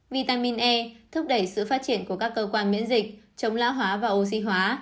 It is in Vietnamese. vitamin e thúc đẩy sự phát triển của các cơ quan miễn dịch chống lã hóa và oxy hóa